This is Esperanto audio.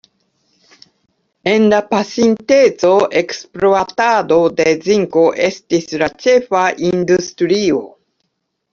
En la pasinteco, ekspluatado de zinko estis la ĉefa industrio.